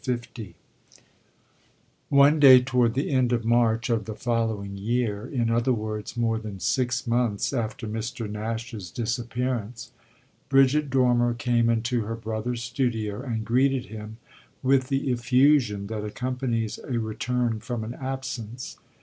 L One day toward the end of March of the following year, in other words more than six months after Mr. Nash's disappearance, Bridget Dormer came into her brother's studio and greeted him with the effusion that accompanies a return from an absence.